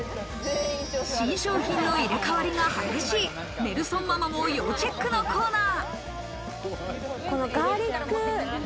新商品の入れ替わりが激しいネルソンママも要チェックのコーナー。